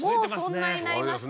もうそんなになりますか。